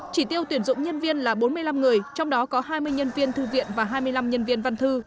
chỉ tiêu tuyển dụng nhân viên là bốn mươi năm người trong đó có hai mươi nhân viên thư viện và hai mươi năm nhân viên văn thư